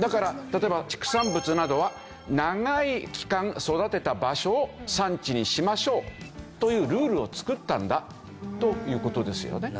だから例えば畜産物などは長い期間育てた場所を産地にしましょうというルールを作ったんだという事ですよね。